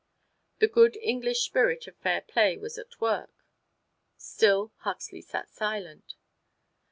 The good English spirit of fair play was at work. Still Huxley sat silent.